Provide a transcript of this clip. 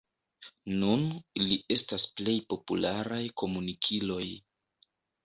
Nun ili estas plej popularaj komunikiloj.